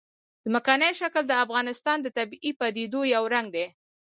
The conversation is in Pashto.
ځمکنی شکل د افغانستان د طبیعي پدیدو یو رنګ دی.